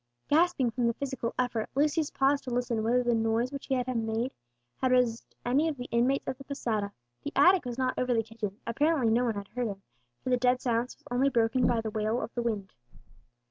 Gasping from the physical effort, Lucius paused to listen whether the noise which he had made had roused any of the inmates of the posada. The attic was not over the kitchen; apparently no one had heard him, for the dead silence was only broken by the wail of the wind.